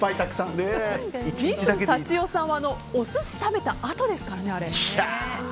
ミスさちよさんはお寿司食べたあとですからね。